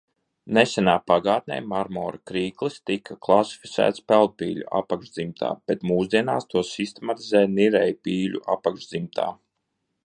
Nesenā pagātnē marmora krīklis tika klasificēts peldpīļu apakšdzimtā, bet mūsdienās to sistematizē nirējpīļu apakšdzimtā.